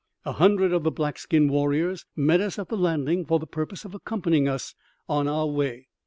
A hundred of the black skin warriors met us at the landing for the purpose of accompanying us on our way.